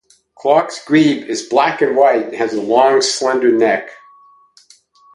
Clark's grebe is black-and-white and has long slender neck.